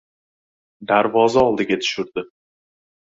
Darvoza oldiga tushirdi.